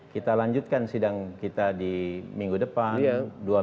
kita lanjutkan sidang kita di minggu depan dua minggu kemudian